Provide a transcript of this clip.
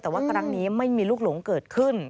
แต่ว่าครั้งนี้ไม่มีลูกหลงเกิดขึ้น